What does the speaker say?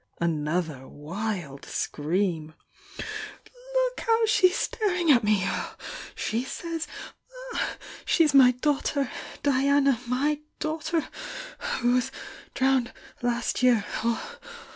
Another wild scream. Look how she's staring at me! She says she 8 my daughter Diana^my daujthter who was l^owned last year!